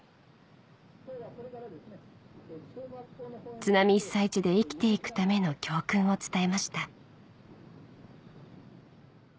津波被災地で生きていくための教訓を伝えました